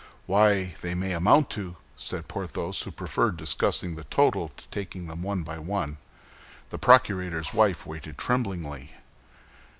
"Why, they may amount to—", said Porthos, who preferred discussing the total to taking them one by one. The procurator's wife waited tremblingly.